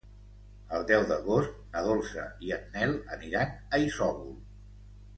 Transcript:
El deu d'agost na Dolça i en Nel aniran a Isòvol.